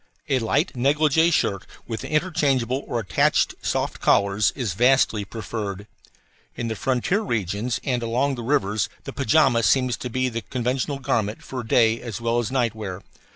A light negligee shirt with interchangeable or attached soft collars is vastly preferable. In the frontier regions and along the rivers the pajama seems to be the conventional garment for day as well as night wear.